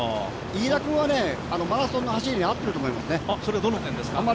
飯田君はマラソンの走りに合ってると思いますね。